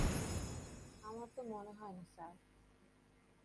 আমার তো মনে হয় না, স্যার।